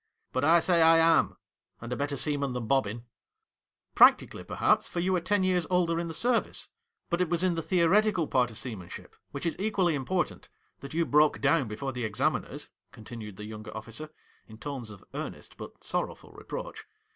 But I say I am, and a better sea man than Bobbin.' ' Practically, perhaps, for you are ten years older in the service. But it was in the theo retical part of seamanship — which is equally important — that you broke down before the examiners,' continued the younger officer, in tones of earnest but sorrowful reproach.